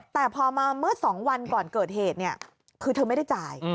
แต่พอมาเมื่อ๒วันก่อนเกิดเหตุเนี่ยคือเธอไม่ได้จ่าย